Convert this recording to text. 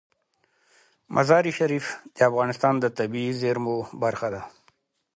مزارشریف د افغانستان د طبیعي زیرمو برخه ده.